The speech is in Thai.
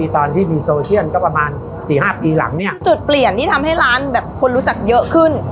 ตอนนี้บอกว่าเฮียนับหมูไม่ไหวแล้วเริ่มจากแบบ๓แพน